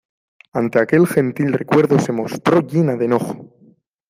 ante aquel gentil recuerdo se mostró llena de enojo.